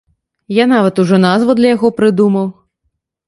Я нават ужо назву для яго прыдумаў!